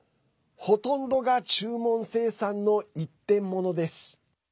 ほとんどが注文生産の一点ものです。